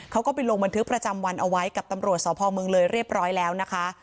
เขาก็ไปลงบันทึกประจำวันเอาไว้กับตำรวจสพเมืองเลยเรียบร้อยแล้วนะคะ